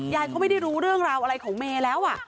ยายเขาไม่ได้รู้เรื่องราวอะไรของเมย์แล้ว